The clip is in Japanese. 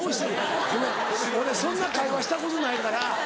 ごめん俺そんな会話したことないから。